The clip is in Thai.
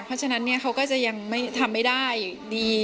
เพราะฉะนั้นเขาก็จะยังทำไม่ได้ดี